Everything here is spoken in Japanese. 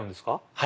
はい。